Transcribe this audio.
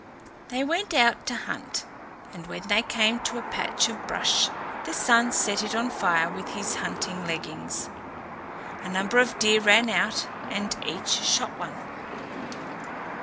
They went out to hunt, and when they came to a patch of brush, the Sun set it on fire with his hunting leggings. A number of deer ran out, and each shot one.